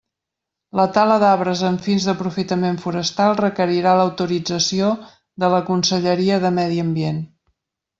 La tala d'arbres amb fins d'aprofitament forestal requerirà l'autorització de la Conselleria de Medi Ambient.